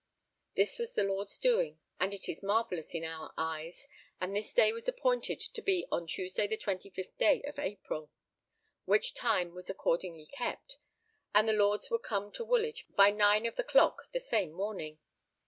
This was the Lord's doing and it is marvellous in our eyes, and this day was appointed to be on Tuesday the 25th day of April, which time was accordingly kept, and the Lords were come to Woolwich by nine of the clock the same morning.